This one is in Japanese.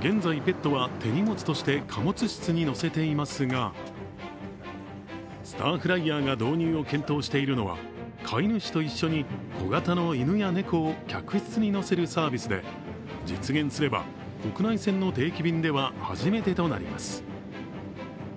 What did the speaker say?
現在、ペットは手荷物として貨物室に乗せていますがスターフライヤーが導入を検討しているのは飼い主と一緒に小型の犬や猫を客室に乗せるサービスで実現すれば、国内線の定期便では初めてとなります。